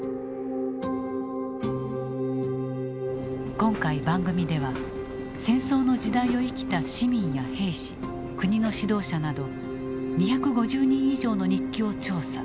今回番組では戦争の時代を生きた市民や兵士国の指導者など２５０人以上の日記を調査。